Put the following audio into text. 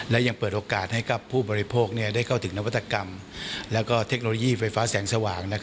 และยังเปิดโอกาสให้กับผู้บริโภคได้เข้าถึงนวัตกรรมและเทคโนโลยีไฟฟ้าแสงสว่าง